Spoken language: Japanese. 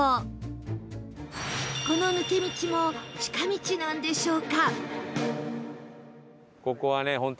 この抜け道も近道なんでしょうか？